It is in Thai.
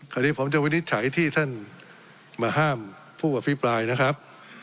ที่ผมจะวินิจฉัยที่ท่านมาห้ามผู้อภิปรายนะครับ